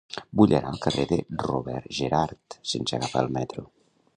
Vull anar al carrer de Robert Gerhard sense agafar el metro.